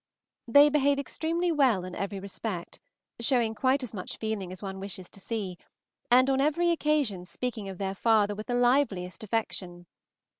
They behave extremely well in every respect, showing quite as much feeling as one wishes to see, and on every occasion speaking of their father with the liveliest affection.